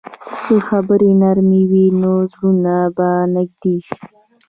که خبرې نرمې وي، نو زړونه به نږدې شي.